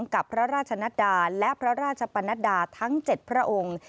กับพระราชนัดดาและพระราชปนัดดาทั้ง๗พระองค์